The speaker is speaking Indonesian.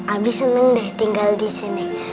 abi seneng deh tinggal disini